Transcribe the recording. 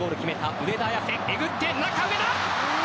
上田綺世、えぐって中、上田。